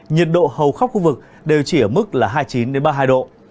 nhiệt độ hầu khắp khu vực đều chỉ ở mức là hai mươi chín ba mươi hai độ